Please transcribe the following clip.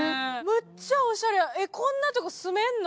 めっちゃおしゃれや、こんなとこ住めるの？